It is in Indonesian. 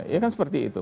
ya kan seperti itu